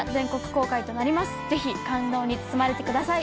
ぜひ感動に包まれてください